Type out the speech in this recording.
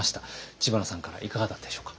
知花さんからいかがだったでしょうか？